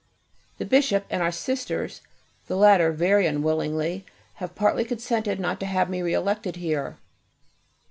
The Bishop and our Sisters, the latter very unwillingly, have partly consented not to have me re elected here.